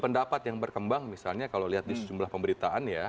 pendapat yang berkembang misalnya kalau lihat di sejumlah pemberitaan ya